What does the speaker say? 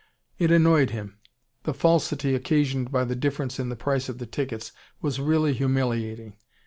It annoyed him. The falsity occasioned by the difference in the price of the tickets was really humiliating.